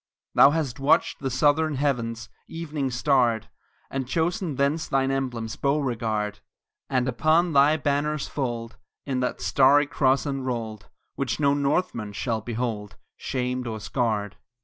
Thou hast watched the southern heavens Evening starred, And chosen thence thine emblems, Beauregard; And upon thy banner's fold Is that starry cross enrolled, Which no Northman shall behold Shamed or scarred.